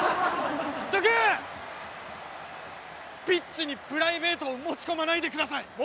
ピッチにプライベートを持ち込まないでください！